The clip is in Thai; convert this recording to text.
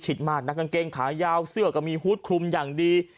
มากนักกางเกงขายาวเสื้อก็มีฮูตคลุมอย่างดี